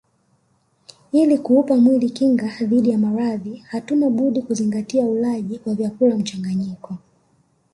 Ili kuupa mwili kinga dhidi ya maradhi hatuna budi kuzingatia ulaji wa vyakula mchanganyiko